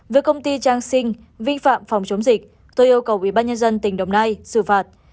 với công ty trang sinh vi phạm phòng chống dịch tôi yêu cầu ubnd tỉnh đồng nai xử phạt